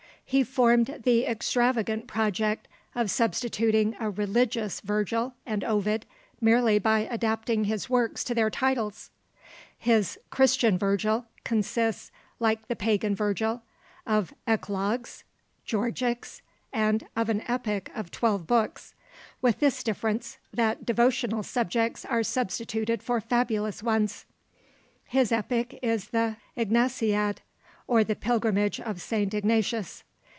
He formed the extravagant project of substituting a religious Virgil and Ovid merely by adapting his works to their titles. His Christian Virgil consists, like the Pagan Virgil, of Eclogues, Georgics, and of an Epic of twelve books; with this difference, that devotional subjects are substituted for fabulous ones. His epic is the Ignaciad, or the pilgrimage of Saint Ignatius.